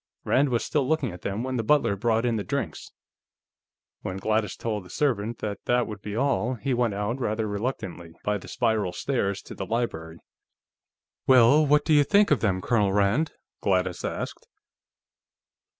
Rand was still looking at them when the butler brought in the drinks; when Gladys told the servant that that would be all, he went out, rather reluctantly, by the spiral stairs to the library. "Well, what do you think of them, Colonel Rand?" Gladys asked.